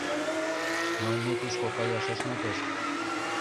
Но ме тушко каяш ышна тошт.